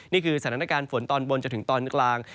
นี่คือสถานการณ์ฝนตอนบนจนถึงตอนกลาง